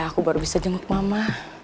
aku baru bisa jenguk mama